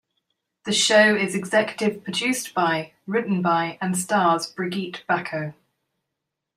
The show is executive produced by, written by and stars Brigitte Bako.